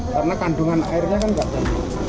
karena kandungan airnya kan datar